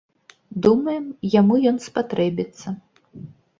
Думаем, яму ён спатрэбіцца.